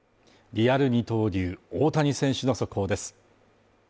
リアル二刀流大谷選手の速報です。